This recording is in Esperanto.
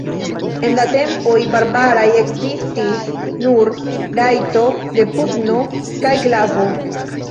En la tempoj barbaraj ekzistis nur rajto de pugno kaj glavo.